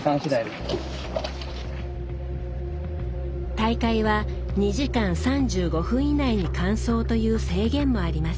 大会は２時間３５分以内に完走という制限もあります。